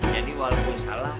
jadi walaupun salah